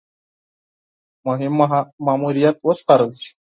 مهم ماموریت وسپارل شي.